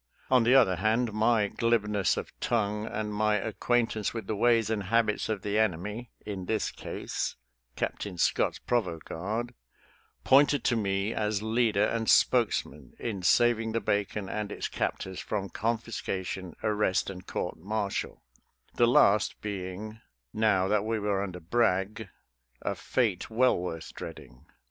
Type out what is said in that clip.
On the other hand, my glibness of tongue and my acquaintance with the ways and habits of the enemy in the case — Captain Scott's provost guard — pointed to me as leader and spokesman in saving the bacon and its captors from con fiscation, arrest, and court martial — the last be ing, now that we were under Bragg, a fate well worth dreading.